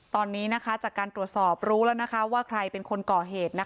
ตอนนี้จากการตรวจสอบรู้แล้วว่าใครเป็นคนก่อเหตุ